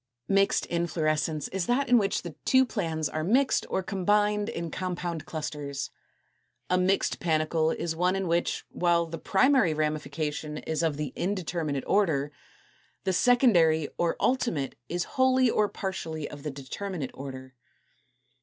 227. =Mixed Inflorescence= is that in which the two plans are mixed or combined in compound clusters. A mixed panicle is one in which, while the primary ramification is of the indeterminate order, the secondary or ultimate is wholly or partly of the determinate order.